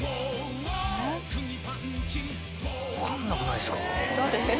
分かんなくないっすか。